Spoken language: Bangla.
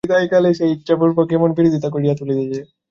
বিদায়কালে কেন সে ইচ্ছাপূর্বক এমন বিরোধতিক্ত করিয়া তুলিতেছে।